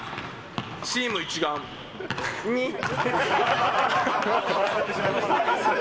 チーム一丸、にっ。